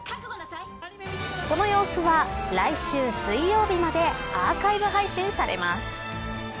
この様子は来週水曜日までアーカイブ配信されます。